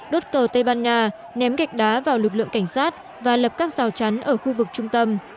đốt cờ tây ban nha ném gạch đá vào lực lượng cảnh sát và lập các rào chắn ở khu vực trung tâm